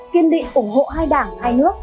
kiên định ủng hộ hai đảng hai nước